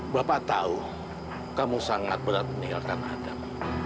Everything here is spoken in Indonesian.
bapak tahu kamu sangat berat meninggalkan adab